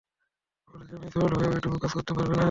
কলেজের প্রিন্সিপাল হয়েও এটুকু কাজ করতে পারবে না।